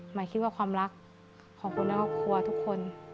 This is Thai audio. หมายคิดว่าความรักของคนในครอบครัวทุกคน